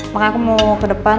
makanya aku mau ke depan